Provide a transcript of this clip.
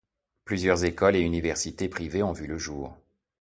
Plusieurs écoles et universités privées ont vu le jour.